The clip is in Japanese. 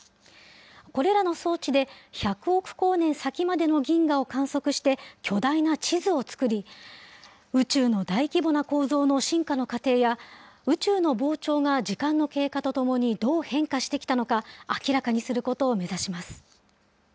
これらの装置で、１００億光年先までの銀河を観測して、巨大な地図を作り、宇宙の大規模な構造の進化の過程や、宇宙の膨張が時間の経過とともにどう変化してきたのか、明らかにすることを目指します。